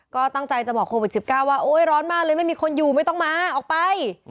ก็ตั้งใจจะบอกโควิด๑๙ว่าโอ๊ยร้อนมากเลยไม่มีคนอยู่ไม่ต้องมาออกไป